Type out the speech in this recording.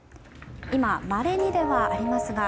今、まれにではありますが